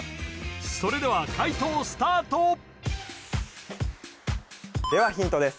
それでは解答スタートではヒントです